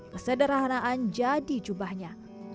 kesederhanaan jadi jubahnya